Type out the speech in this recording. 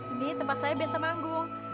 ini tempat saya biasa manggung